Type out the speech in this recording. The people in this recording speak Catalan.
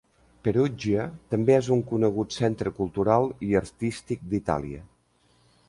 Perugia també és un conegut centre cultural i artístic d'Itàlia.